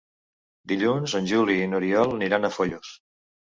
Dilluns en Juli i n'Oriol aniran a Foios.